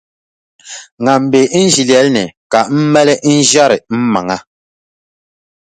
Ŋan be n ʒilɛli ni ka m mali n-ʒiɛri m maŋa.